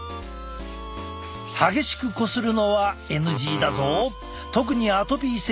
激しくこするのはＮＧだぞ！